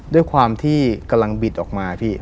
ด้วยความที่กำลังบิดออกมาพี่